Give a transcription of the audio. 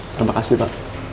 terima kasih pak